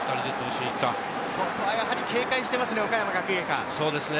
ここは警戒していますね、岡山学芸館。